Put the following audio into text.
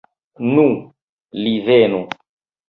Nu, li venu.